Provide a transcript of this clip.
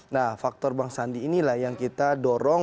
nah faktor bang sandi inilah yang kita dorong